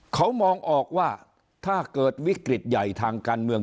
เขามองออกว่าถ้าเกิดวิกฤตใหญ่ทางการเมือง